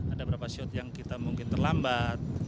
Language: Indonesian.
ada beberapa shoot yang kita mungkin terlambat